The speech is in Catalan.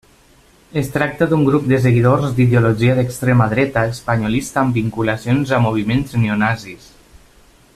Es tracta d'un grup de seguidors d'ideologia d'extrema dreta espanyolista amb vinculacions a moviments neonazis.